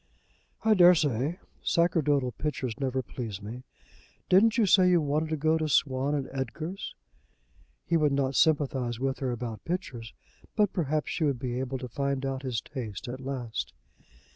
"I dare say. Sacerdotal pictures never please me. Didn't you say you wanted to go to Swann and Edgar's?" He would not sympathize with her about pictures, but perhaps she would be able to find out his taste at last.